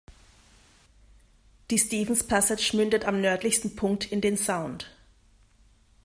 Die Stephens Passage mündet am nördlichsten Punkt in den Sound.